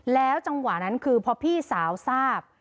แล้วจังหวะนั้นคือพอพี่สาวทราบ